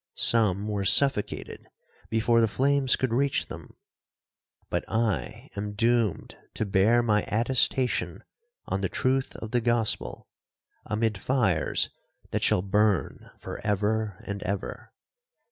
Some were suffocated before the flames could reach them,—but I am doomed to bear my attestation on the truth of the gospel, amid fires that shall burn for ever and ever.